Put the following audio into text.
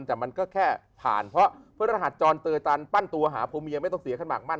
แต่มันก็แค่ผ่านเพราะพระรหัสจรเตยตันปั้นตัวหาผัวเมียไม่ต้องเสียขั้นมากมั่น